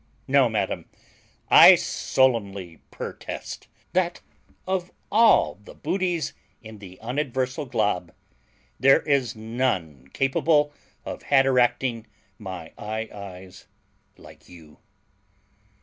No, madam, I sollemly purtest, that of all the butys in the unaversal glob, there is none kapable of hateracting my IIs like you.